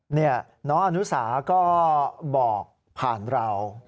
นี่น้องอนุสาก็บอกผ่านเรา